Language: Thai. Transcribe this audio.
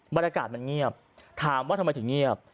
บรรยากาศมันเงียบถามว่าทำไมถึงเงียบ